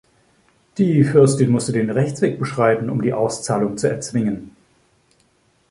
Die Fürstin musste den Rechtsweg beschreiten, um die Auszahlung zu erzwingen.